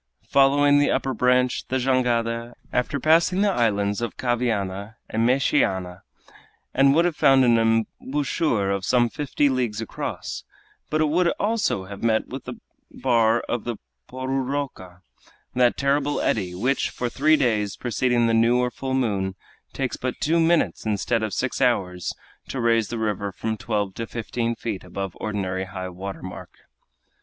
Following the upper branch, the jangada, after passing the islands of Caviana and Mexiana, would have found an embouchure of some fifty leagues across, but it would also have met with the bar of the prororoca, that terrible eddy which, for the three days preceding the new or full moon, takes but two minutes instead of six hours to raise the river from twelve to fifteen feet above ordinary high water mark.